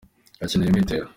yakenyeye umwitero.